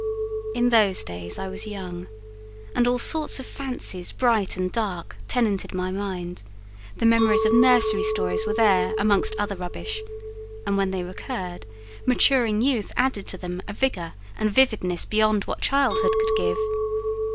In those days I was young, and all sorts of fancies bright and dark tenanted my mind: the memories of nursery stories were there amongst other rubbish; and when they recurred, maturing youth added to them a vigour and vividness beyond what childhood could give.